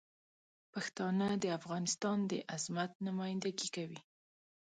پښتانه د افغانستان د عظمت نمایندګي کوي.